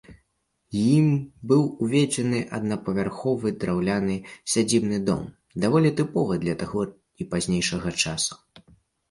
Ім быў узведзены аднапавярховы драўляны сядзібны дом, даволі тыповы для таго і пазнейшага часу.